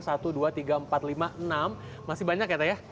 satu dua tiga empat lima enam masih banyak ya teh ya